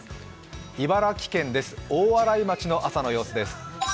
茨城県です、大洗町の朝の様子です。